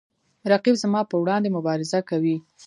رقیب زما په وړاندې مبارزه کوي